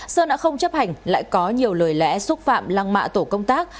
sơn đã không chấp hành lại có nhiều lời lẽ xúc phạm lăng mạ tổ công tác